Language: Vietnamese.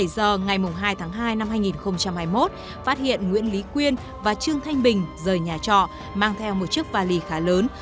một mươi giờ ngày hai tháng hai năm hai nghìn hai mươi một phát hiện nguyễn lý quyên và trương thanh bình rời nhà trọ mang theo một chiếc vali khá lớn